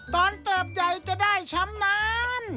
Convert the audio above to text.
เติบใหญ่จะได้ชำนาญ